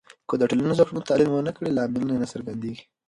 که د ټولنیزو کړنو تحلیل ونه کړې، لاملونه نه څرګندېږي.